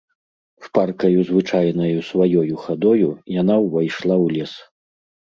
Шпаркаю звычайнаю сваёю хадою яна ўвайшла ў лес.